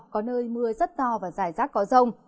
có nơi mưa rất to và rải rác có rông